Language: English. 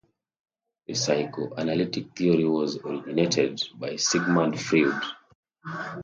The psychoanalytic theory was originated by Sigmund Freud.